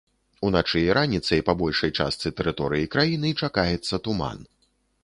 Уначы і раніцай па большай частцы тэрыторыі краіны чакаецца туман.